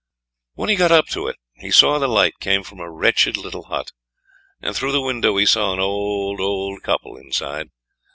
When he got up to it he saw the light came from a wretched little hut, and through the window he saw an old old, couple inside.